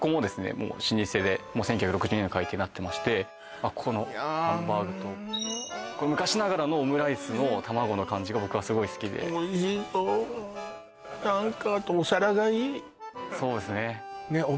もう老舗でもう１９６２年の開店になってましてここのハンバーグといや昔ながらのオムライスの卵の感じが僕はすごい好きでおいしそう何かあとお皿がいいそうですね